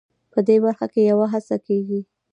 په دې برخه کې یوه هڅه کېږي.